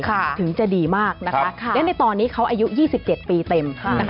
ค่ะถึงจะดีมากนะคะครับแล้วในตอนนี้เขาอายุยี่สิบเจ็ดปีเต็มค่ะ